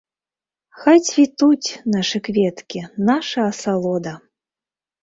Хай цвітуць нашы кветкі, наша асалода!